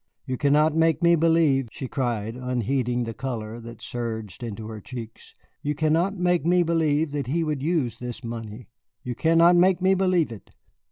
You cannot make me believe," she cried, unheeding the color that surged into her cheeks, "you cannot make me believe that he would use this money. You cannot make me believe it."